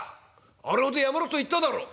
あれほどやめろと言っただろう」。